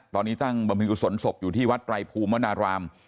ตอนนี้ตั้งบำเพ็ญกุศลศพอยู่ที่วัดไตรภูมิวนาราม